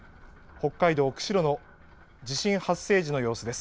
北海道釧路の地震発生時の様子です。